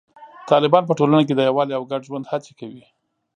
طالبان په ټولنه کې د یووالي او ګډ ژوند هڅې کوي.